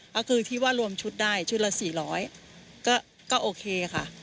ก็คือที่ว่ารวมชุดได้ชุดละ๔๐๐ก็โอเคค่ะ